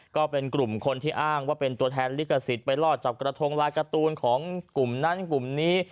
ก็เป็นกลุ่มคนที่อ้างว่าเป็นตัวแทนลิขสิทธิ์ไปลอดจับกระทงลายการ์ตูนของกลุ่มนั้นกลุ่มนี้